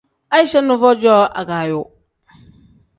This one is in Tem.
Aicha nuvo cooo agaayo.